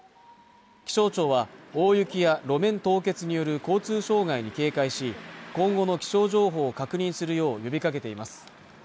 気象庁は大雪や路面凍結による交通障害に警戒し今後の気象情報を確認するよう呼びかけています